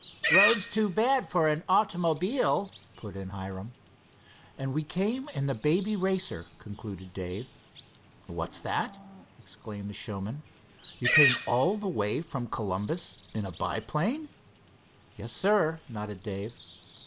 "Roads too bad for an automobile," put in Hiram. "And we came in the Baby Racer," concluded Dave. "What's that?" exclaimed the showman. "You came all the way from Columbus in a biplane?" "Yes, sir," nodded Dave.